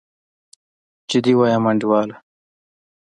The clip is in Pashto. جدي وايم انډيواله.